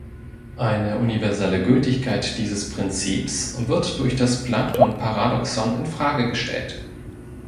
Eine universelle Gültigkeit dieses Prinzips wird durch das Plankton-Paradoxon infrage gestellt.